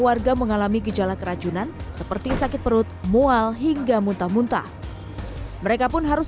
warga mengalami gejala keracunan seperti sakit perut mual hingga muntah muntah mereka pun harus